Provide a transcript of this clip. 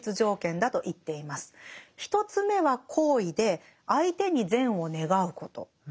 １つ目は好意で相手に善を願うこと。